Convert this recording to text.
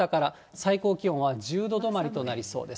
最高気温は１０度止まりとなりそうです。